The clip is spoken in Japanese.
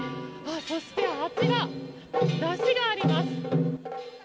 そして、あちら山車があります。